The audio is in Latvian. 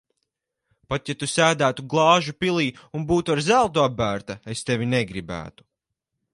Pat ja Tu sēdētu glāžu pilī un būtu ar zeltu apbērta, es tevi negribētu.